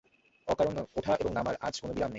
অকারণ ওঠা এবং নামার আজ আর বিরাম নাই।